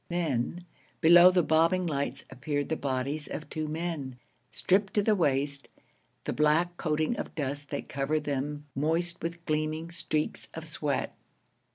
Then, below the bobbing lights appeared the bodies of two men, stripped to the waist, the black coating of dust that covered them moist with gleaming streaks of sweat.